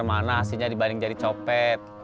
besar mana hasilnya dibanding jadi copet